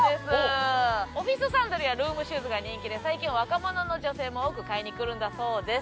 オフィスサンダルやルームシューズが人気で最近は若者の女性も多く買いに来るんだそうです。